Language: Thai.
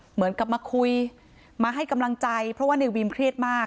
เหมือนกับมาคุยมาให้กำลังใจเพราะว่าในวิมเครียดมาก